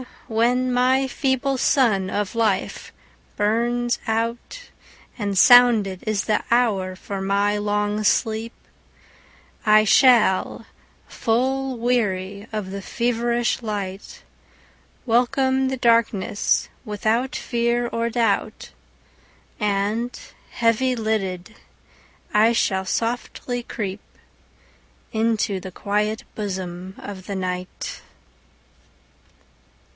So when my feeble sun of life burns out, And sounded is the hour for my long sleep,I shall, full weary of the feverish light, Welcome the darkness without fear or doubt, And heavy lidded, I shall softly creepInto the quiet bosom of the Night.